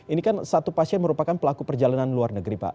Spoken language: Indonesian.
ini kan satu pasien merupakan pelaku perjalanan luar negeri pak